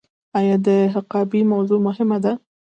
آیا د حقابې موضوع مهمه ده؟